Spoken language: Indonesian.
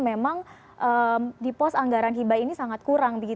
memang di pos anggaran hibah ini sangat kurang